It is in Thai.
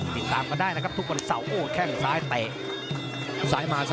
ติดตามก็ได้นะครับทุกคนสาวโอ้แข้งซ้ายเตะ